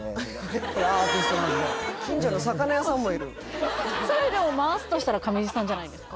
近所の魚屋さんもいるそれでも回すとしたら上地さんじゃないですか？